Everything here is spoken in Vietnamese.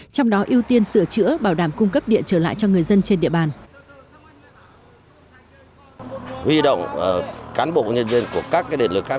trong đó ưu tiên sửa chữa bảo đảm cung cấp điện trở lại cho người dân trên địa bàn